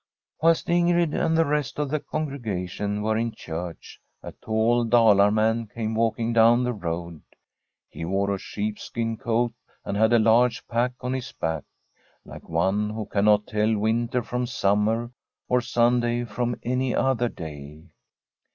Whilst Ingrid and the rest of the congregation were in church a tall Dalar man came walking down the road. He wore a sheepskin coat, and had a large pack on his back, like one who can not tell winter from summer, or Sunday from any other day.